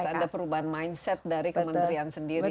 jadi harus ada perubahan mindset dari kementerian sendiri ya